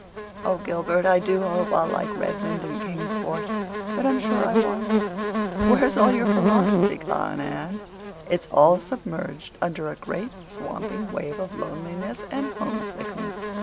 Oh, Gilbert, I do hope I'll like Redmond and Kingsport, but I'm sure I won't!" "Where's all your philosophy gone, Anne?" "It's all submerged under a great, swamping wave of loneliness and homesickness.